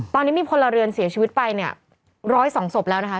ตอนนี้มีพลเรือนเสียชีวิตไปเนี่ย๑๐๒ศพแล้วนะคะ